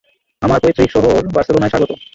আমার পৈতৃক শহর বার্সেলোনায় স্বাগত।